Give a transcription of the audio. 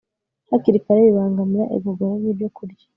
hakiri kare bibangamira igogora ryibyokurya